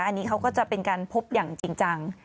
อันนี้เขาก็จะเป็นการพบอย่างจริงจัง